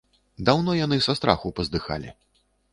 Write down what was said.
Даўно яны са страху паздыхалі.